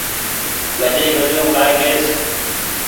ڀجئي وجون ڪآئي ليئس